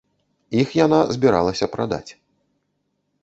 Іх яна збіралася прадаць.